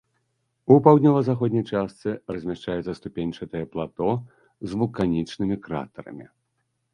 У паўднёва-заходняй частцы размяшчаецца ступеньчатае плато з вулканічнымі кратэрамі.